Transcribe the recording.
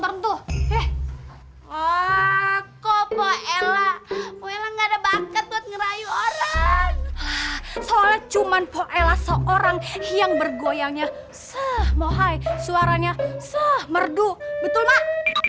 soalnya cuma poella seorang yang bergoyangnya seh mohai suaranya seh merdu betul mah